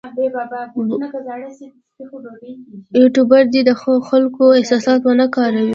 یوټوبر دې د خلکو احساسات ونه کاروي.